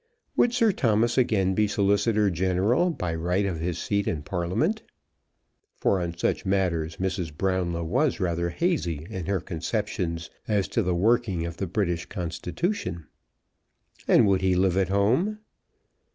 Would Sir Thomas again be Solicitor General by right of his seat in Parliament? for on such matters Mrs. Brownlow was rather hazy in her conceptions as to the working of the British Constitution. And would he live at home?